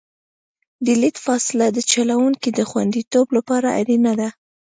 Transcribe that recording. د لید فاصله د چلوونکي د خوندیتوب لپاره اړینه ده